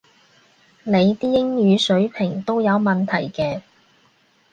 你啲英語水平都有問題嘅